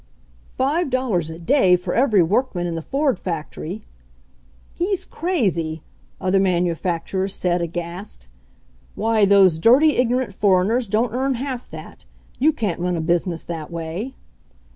"Five dollars a day for every workman in the Ford factory!" "He's crazy!" other manufacturers said, aghast. "Why, those dirty, ignorant foreigners don't earn half that! You can't run a business that way!"